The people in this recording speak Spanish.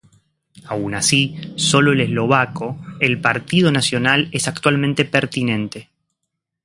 Aun así, sólo el eslovaco el partido Nacional es actualmente pertinente.